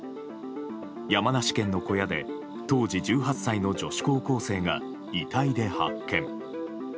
山梨県の小屋で当時１８歳の女子高校生が遺体で発見。